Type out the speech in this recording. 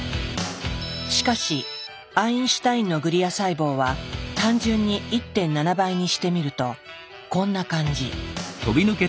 しかしアインシュタインのグリア細胞は単純に１．７倍にしてみるとこんな感じ。